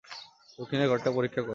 দক্ষিণের ঘরটা পরীক্ষা করো।